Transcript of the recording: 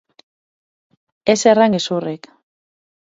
Ez erran gezurrik.